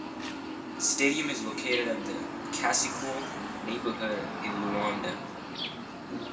The stadium is located at the Cassequel neighborhood in Luanda.